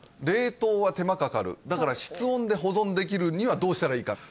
冷凍は手間かかるだから室温で保存できるにはどうしたらいいか？